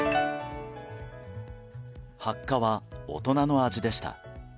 ハッカは大人の味でした。